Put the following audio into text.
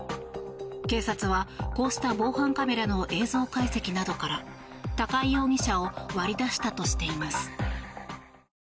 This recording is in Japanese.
警察はこうした防犯カメラの映像解析などから高井容疑者を割り出したとしています。